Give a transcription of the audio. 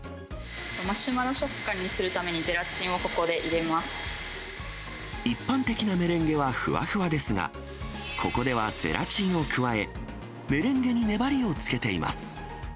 マシュマロ食感にするために、一般的なメレンゲはふわふわですが、ここではゼラチンを加え、メレンゲに粘りをつけています。